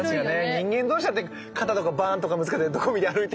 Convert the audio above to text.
人間同士だって肩とかバーンとかぶつかって「どこ見て歩いてるんだ」とか